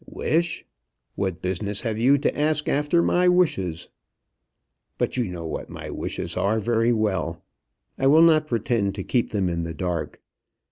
"Wish! What business have you to ask after my wishes? But you know what my wishes are very well. I will not pretend to keep them in the dark.